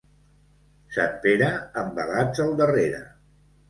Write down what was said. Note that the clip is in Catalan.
Sant Pere, envelats al darrere.